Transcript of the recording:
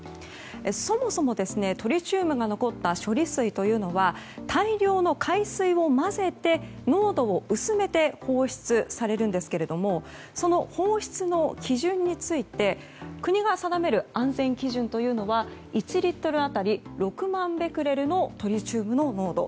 そもそもトリチウムが残った処理水というのは大量の海水を混ぜて濃度を薄めて放出されるんですけれどもその放出の基準について国が定める安全基準というのは１リットル当たり６万ベクレルのトリチウムの濃度。